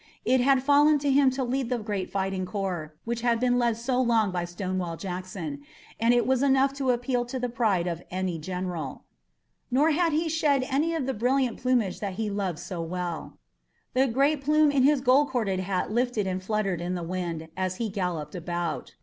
It had fallen to him to lead the great fighting corps which had been led so long by Stonewall Jackson, and it was enough to appeal to the pride of any general. Nor had he shed any of the brilliant plumage that he loved so well. The great plume in his gold corded hat lifted and fluttered in the wind as he galloped about.